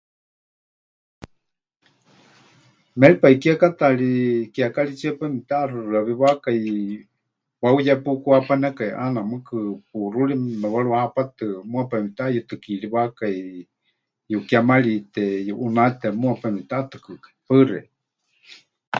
Méripai kiekátaari kiekaritsíe pai mepɨteʼaxɨxɨawiwakai, wahuyé pukuhapanekai ʼaana mɨɨkɨ puuxúri mewaruhapatɨ muuwa pai mepɨtehayutɨkiriwákai, yukémarite, yuʼunáte muuwa pai mepɨtehatɨkɨkai. Paɨ xeikɨ́a.